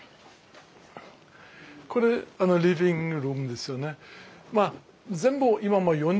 これリビングルームですよね。